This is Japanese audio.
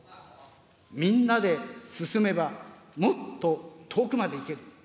みんなで進めばもっと遠くまで行ける。